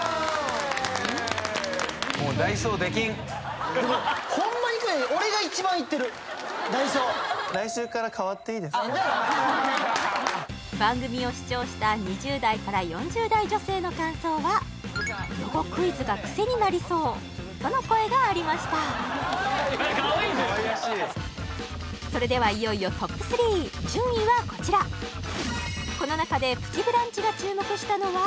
でもホンマに俺が一番行ってるダイソー番組を視聴した２０代から４０代女性の感想はとの声がありましたそれではいよいよトップ３順位はこちらこの中で「プチブランチ」が注目したのは